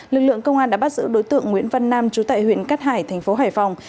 lực lượng công an đã bắt giữ đối tượng nguyễn văn nam trú tại huyện cát hải thành phố hải phòng